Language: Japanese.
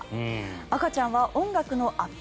赤ちゃんは音楽のアップ